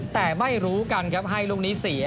แต่ไม่รู้กันครับให้ลูกนี้เสีย